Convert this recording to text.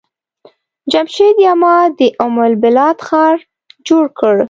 جمشيد يما د ام البلاد ښار جوړ کړ.